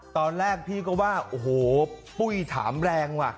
ตอนแรกพี่ก็ว่าโอ้โหปุ้ยถามแรงว่ะ